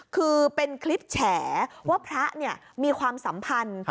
คือเป็นคลิปแฉว่าพระมีความสัมพันธ์